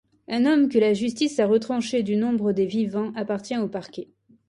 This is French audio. Un homme que la justice a retranché du nombre des vivants appartient au Parquet.